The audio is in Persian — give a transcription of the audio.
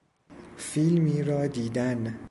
فیلمی را دیدن